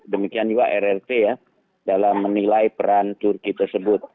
demikian juga rrt ya dalam menilai peran turki tersebut